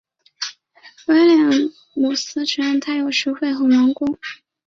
威廉姆斯承认他有时会很顽固。